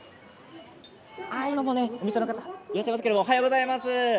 あ、今もね、お店の方いらっしゃいますけどもおはようございます。